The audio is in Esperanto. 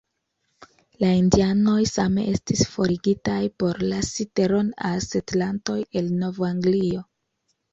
La indianoj same estis forigitaj por lasi teron al setlantoj el Nov-Anglio.